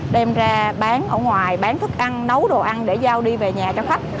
đem ra bán ở ngoài bán thức ăn nấu đồ ăn để giao đi về nhà cho khách